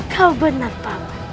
kau benar pak man